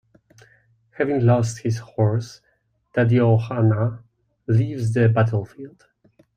Having lost his horse, Duryodhana leaves the battlefield.